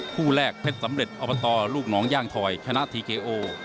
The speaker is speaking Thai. คู่แรกเพชรสำเร็จอบตลูกหนองย่างถอยชนะทีเคโอ